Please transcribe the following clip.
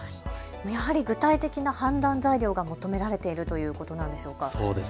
やはり具体的な判断材料が求められているということなんでしょうか。